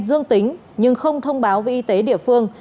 dương tính nhưng không thông báo về y tế địa phương